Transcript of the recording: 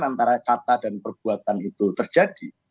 antara kata dan perbuatan itu terjadi